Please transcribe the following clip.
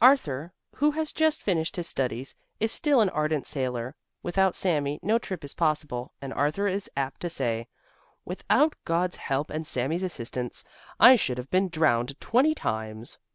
Arthur, who has just finished his studies, is still an ardent sailor. Without Sami, no trip is possible, and Arthur is apt to say: "Without God's help and Sami's assistance I should have been drowned twenty times."